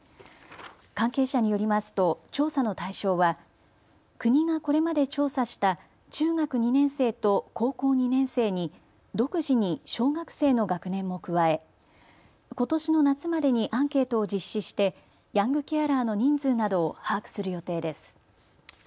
関係者によりますと調査の対象は国がこれまで調査した中学２年生と高校２年生に独自に小学生の学年も加え、ことしの夏までにアンケートを実施してヤングケアラーの人数などを把握する予定です。